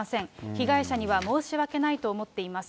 被害者には申し訳ないと思っています。